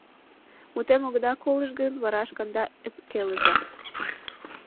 Мутем огыда колышт гын, вара шканда ӧпкелыза!